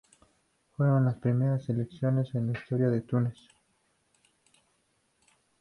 Fueron las primeras elecciones en la historia de Túnez.